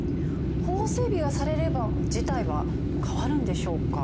法整備がされれば事態は変わるんでしょうか？